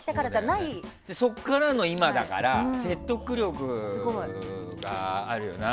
そこからの今だから説得力があるよね。